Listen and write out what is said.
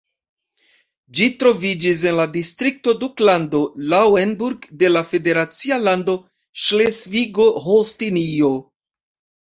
Ĝi troviĝis en la distrikto Duklando Lauenburg de la federacia lando Ŝlesvigo-Holstinio.